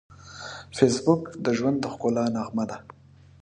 فېسبوک د ژوند د ښکلا نغمه ده